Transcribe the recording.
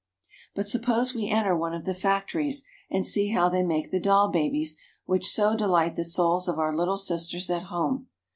But suppose we enter one of the factories, and see how they make the doll babies which so delight the souls of our little sisters at home.